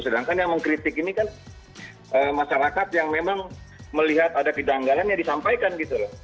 sedangkan yang mengkritik ini kan masyarakat yang memang melihat ada kedanggalan ya disampaikan gitu loh